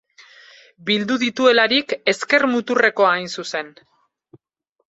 Bildu dituelarik, ezker-muturrekoa hain zuzen.